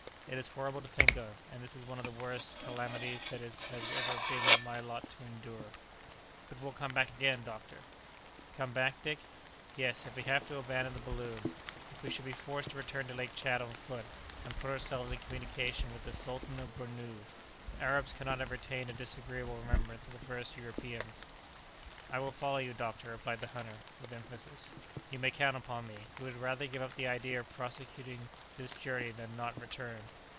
It is horrible to think of, and this is one of the worst calamities that it has ever been my lot to endure!" "But, we'll come back again, doctor!" "Come back, Dick? Yes, if we have to abandon the balloon! if we should be forced to return to Lake Tchad on foot, and put ourselves in communication with the Sultan of Bornou! The Arabs cannot have retained a disagreeable remembrance of the first Europeans." "I will follow you, doctor," replied the hunter, with emphasis. "You may count upon me! We would rather give up the idea of prosecuting this journey than not return.